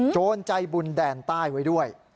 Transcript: โจรใจบุญแดนใต้ไว้ด้วย